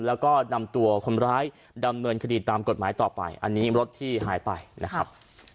แล้วก็นำตัวคนร้ายดำเนินคดีตามกฎหมายต่อไปอันนี้รถที่หายไปนะครับ